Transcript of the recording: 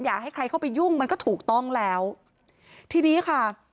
อยากให้ใครเข้าไปยุ่งมันก็ถูกต้องแล้วทีนี้ค่ะ